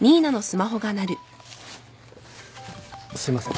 すいません。